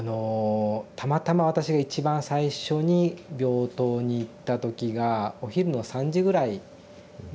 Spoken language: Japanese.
たまたま私が一番最初に病棟に行った時がお昼の３時ぐらいだったんですね。